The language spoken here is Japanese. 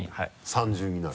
３重になる。